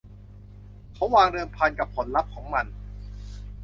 เขาวางเดิมพันกับผลลัพธ์ของมัน